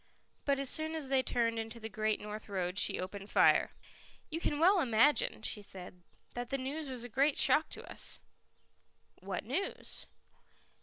But as soon as they turned into the Great North Road she opened fire. "You can well imagine," she said, "that the news was a great shock to us." "What news?"